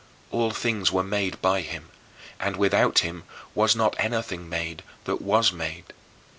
All things were made by him; and without him was not anything made that was made."